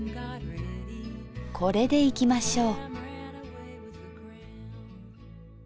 これでいきましょう。